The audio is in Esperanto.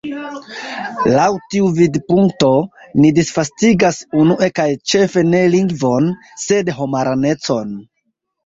Laŭ tiu vidpunkto, ni disvastigas unue kaj ĉefe ne lingvon, sed homaranecon.